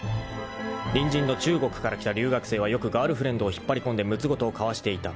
［隣人の中国から来た留学生はよくガールフレンドを引っ張りこんでむつ言を交わしていた］